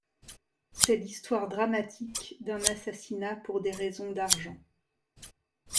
C'est l'histoire dramatique d'un assassinat pour des raisons d’argent.